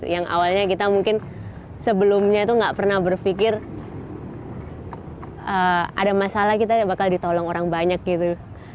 yang awalnya kita mungkin sebelumnya itu gak pernah berpikir ada masalah kita gak bakal ditolong orang banyak gitu